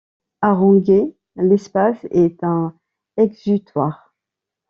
Haranguer l’espace est un exutoire.